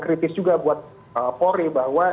kritis juga buat polri bahwa